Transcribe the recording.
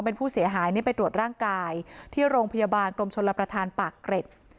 เป็นผู้เสียหายไปตรวจร่างกายที่โรงพยาบาลกรมชลประธานปากเกร็ด